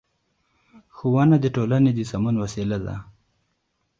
ښوونه د ټولنې د سمون وسیله ده